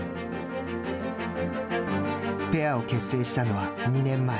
ペアを結成したのは２年前。